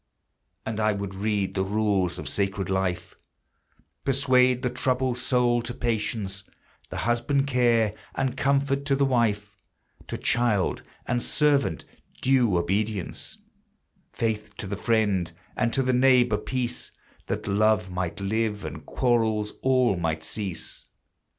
And I would read the rules of sacred life; Persuade the troubled soul to patience; The husband care, and comfort to the wife, To child and servant due obedience; Faith to the friend, and to the neighbor peace, That love might live, and quarrels all might cease.